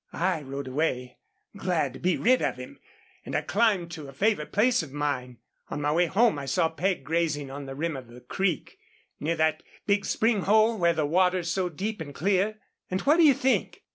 I rode away, glad to be rid of him, and I climbed to a favorite place of mine. On my way home I saw Peg grazing on the rim of the creek, near that big spring hole where the water's so deep and clear. And what do you think?